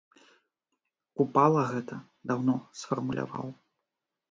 Купала гэта даўно сфармуляваў.